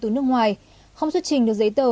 từ nước ngoài không xuất trình được giấy tờ